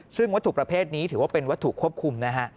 ซึ่งวัตถุประเภทนี้ถือว่าเป็นวัตถุควบคุมนะฮะ